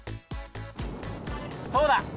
そうだ！